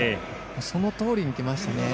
そのとおりに来ましたね。